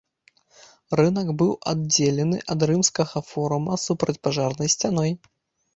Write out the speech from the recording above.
Рынак быў аддзелены ад рымскага форума супрацьпажарнай сцяной.